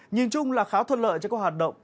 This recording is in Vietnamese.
nhìn chung là khá thuận lợi cho các hoạt động